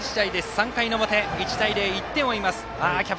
３回の表、１対０１点を追います。